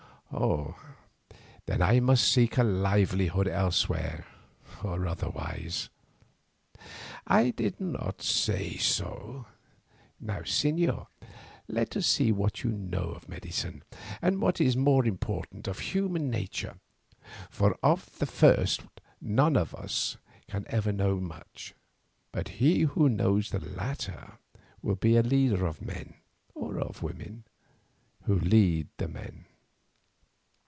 "Then I must seek a livelihood elsewhere, or otherwise." "I did not say so. Now, señor, let us see what you know of medicine, and what is more important, of human nature, for of the first none of us can ever know much, but he who knows the latter will be a leader of men—or of women—who lead the men."